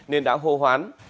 nên đã hô hoán